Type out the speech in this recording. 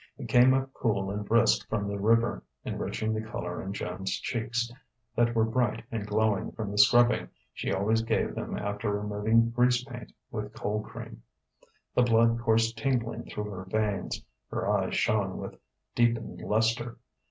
It came up cool and brisk from the river, enriching the colour in Joan's cheeks that were bright and glowing from the scrubbing she always gave them after removing grease paint with cold cream. The blood coursed tingling through her veins. Her eyes shone with deepened lustre.